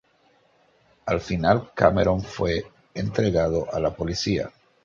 Al final Cameron fue entregado a la policía.